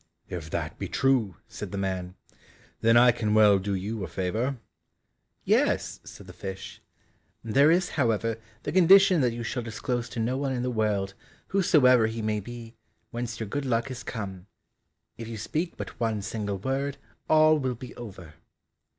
"If that be true," said the man, "then I can well do you a favour." "Yes," said the fish, "there is, however, the condition that you shall disclose to no one in the world, whosoever he may be, whence your good luck has come, if you speak but one single word, all will be over."